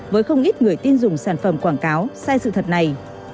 với không ít người tin dùng sản phẩm quảng cáo sai sự thật này